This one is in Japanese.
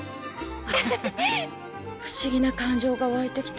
不思議な感情がわいてきた。